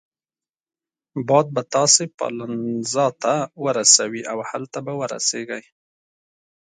باد به تاسي پالنزا ته ورسوي او هلته به ورسیږئ.